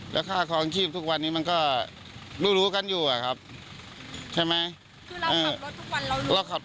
ราคาของชีพทุกวันนี้มันก็รู้รู้กันอยู่อ่ะครับใช่ไหมคือเราขับรถทุกวันเรารู้